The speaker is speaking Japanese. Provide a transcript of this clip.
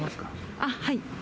あっ、はい。